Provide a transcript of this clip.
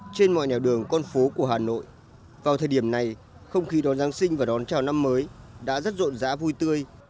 trên mọi nẻo đường con phố của hà nội vào thời điểm này không khí đón giáng sinh và đón chào năm mới đã rất rộn rã vui tươi